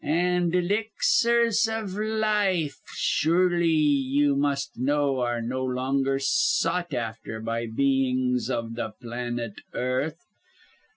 "And elixirs of life, surely you must know, are no longer sought after, by beings of the planet Earth.